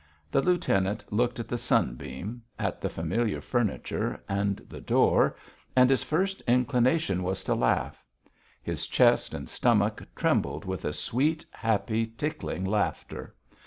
The lieutenant looked at the sunbeam, at the familiar furniture and the door, and his first inclination was to laugh. His chest and stomach trembled with a sweet, happy, tickling laughter.